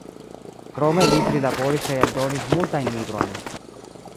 Krome li prilaboris kaj eldonis multajn librojn.